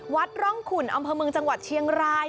วัดร่องขุนอำเภอเมืองจังหวัดเชียงราย